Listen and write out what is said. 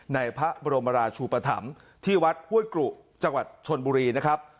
ในพระบรมราชูปธรรมที่วัดห้วยกรุจังหวัดชนบุรีนะครับ